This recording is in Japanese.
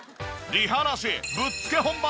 リハなしぶっつけ本番！